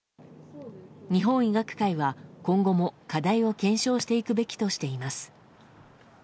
日本医学会は今後も課題を検証していくべきとしています。